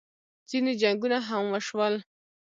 ځینې جنګونه هم وشول